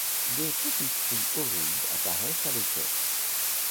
Des petits fruits ovoïdes apparaissent à l'automne.